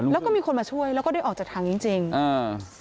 แล้วก็มีคนมาช่วยแล้วก็ได้ออกจากถังจริงจริงอ่า